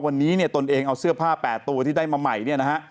วันนี้เนี่ยตนเองเอาเสื้อผ้า๘ตัวที่ได้มาใหม่เนี่ยนะฮะ